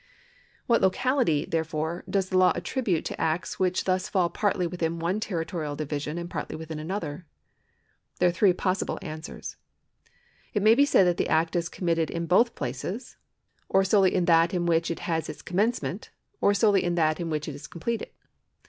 What locality, therefore, does the law attribute to acts which thus fall partly within one territorial division and partly within another ? There are three possible answers. It may be said that the act is committed in both places, or solely in that in which it has its commencement, or solely in that in which it is completed.